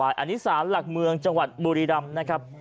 อุดรยังอยู่อีสานหลักเมืองจังหวัดบุริรัมน์นะครับ